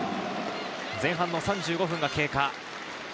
前半３５分経過。